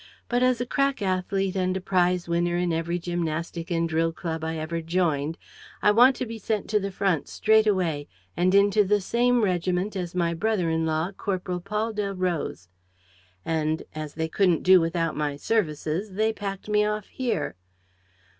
'But, as a crack athlete and a prize winner in every gymnastic and drill club I ever joined, I want to be sent to the front straight away and into the same regiment as my brother in law, Corporal Paul Delroze.' And, as they couldn't do without my services, they packed me off here.